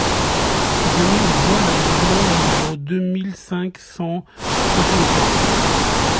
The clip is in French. Je mets aux voix l’amendement numéro deux mille cinq cent soixante-sept.